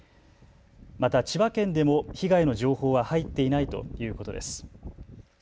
また千葉県でも被害の情報は入っていないということです。